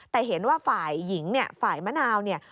แต่เห็นว่าฝ่ายหญิงเนี่ยฝ่ายมะนาวเนี่ย